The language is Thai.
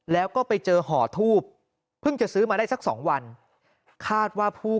แล้วก็ไปเจอห่อทูบเพิ่งจะซื้อมาได้สักสองวันคาดว่าผู้